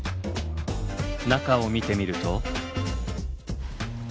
中を見てみると。